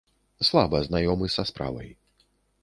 Слаба знаёмы са справай.